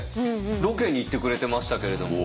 ロケに行ってくれてましたけれども。